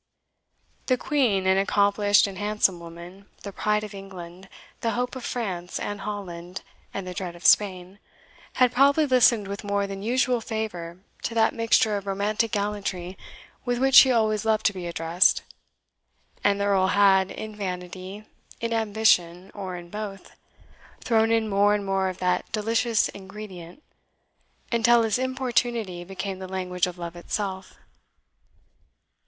The Queen, an accomplished and handsome woman, the pride of England, the hope of France and Holland, and the dread of Spain, had probably listened with more than usual favour to that mixture of romantic gallantry with which she always loved to be addressed; and the Earl had, in vanity, in ambition, or in both, thrown in more and more of that delicious ingredient, until his importunity became the language of love itself.